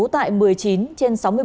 tại một mươi chín trên sáu mươi bảy